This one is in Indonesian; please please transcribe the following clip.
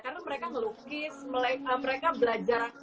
karena mereka melukis mereka belajar